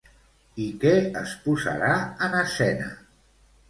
I què es posarà en escena?